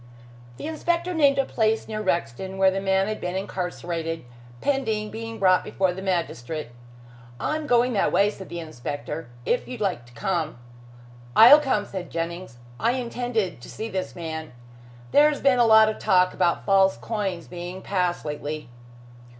The inspector named a place near Rexton where the man had been incarcerated, pending being brought before the magistrate. "I am going that way," said the inspector. "If you like to come " "I'll come," said Jennings. "I intended to see this man. There has been a lot of talk about false coins being passed lately."